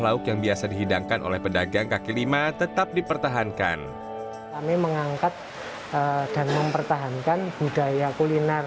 lauk yang biasa dihidangkan oleh pedagang kaki lima tetap dipertahankan kami mengangkat dan mempertahankan budaya kuliner